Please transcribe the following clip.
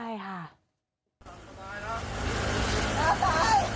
ใช่ค่ะ